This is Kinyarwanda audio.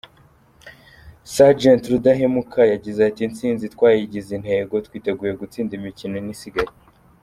Sgt Rudahemuka yagize ati :"Intsinzi twayigize intego. Twiteguye gutsinda imikino ine isigaye. "